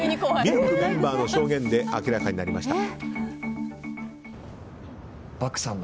ＬＫのメンバーの証言で明らかになりました。